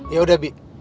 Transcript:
ya udah bi